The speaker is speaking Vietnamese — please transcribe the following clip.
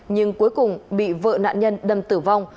nhưng cuối cùng bị vợ nạn nhân đâm tử vong